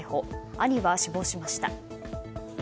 兄は死亡しました。